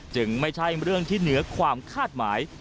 ไม่ใช่เรื่องที่เหนือความคาดหมาย